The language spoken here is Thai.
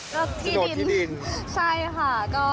ก็ที่ดินใช่ค่ะ